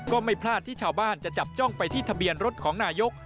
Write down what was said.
ก็ไม่พลาดที่ชาวบ้านจะจับจ้องไปที่ทะเบียนรถของนายก